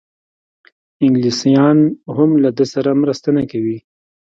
انګلیسیان هم له ده سره مرسته نه کوي.